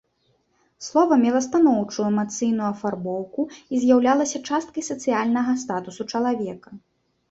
Слова мела станоўчую эмацыйную афарбоўку і з'яўлялася часткай сацыяльнага статусу чалавека.